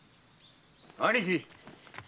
・兄貴！